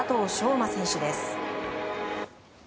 馬選手です。